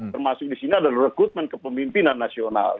termasuk di sini ada rekrutmen kepemimpinan nasional